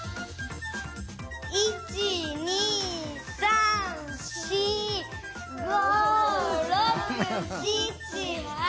１２３４５６７８！